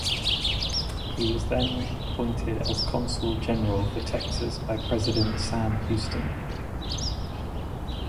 He was then appointed as consul general for Texas by President Sam Houston.